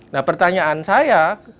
nah pertanyaan saya